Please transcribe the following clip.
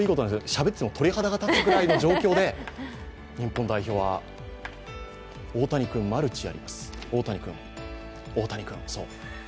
しゃべっていても鳥肌が立つくらいの状況で、日本代表は大谷君マルチで。